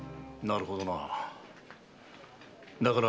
なるほどな。